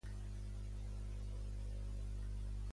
Va entrar a l'Exèrcit nigerí, aconseguint el grau de coronel.